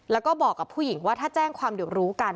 แล้วก็บอกกับผู้หญิงว่าถ้าแจ้งความเดี๋ยวรู้กัน